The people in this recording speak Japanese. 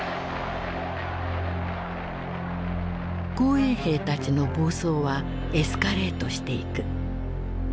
紅衛兵たちの暴走はエスカレートしていく。